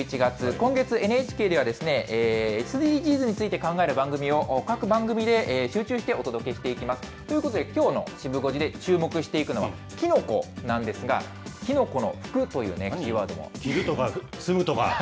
今月、ＮＨＫではＳＤＧｓについて考える番組を、各番組で集中してお届けしていきます。ということで、きょうのシブ５時で注目していくのは、キノコなんですが、キノコの服というね、キーワードも。